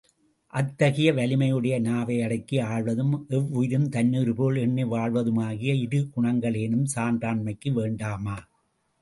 அத்தகைய வலிமையுடைய நாவை அடக்கி ஆள்வதும், எவ்வுயிரும் தன்னுயிர்போல் எண்ணி வாழ்வதுமாகிய இரு குணங்களேனும் சான்றாண்மைக்கு வேண்டாமா?